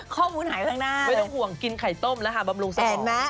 ข้อมูลหายไปทั้งหน้าเลย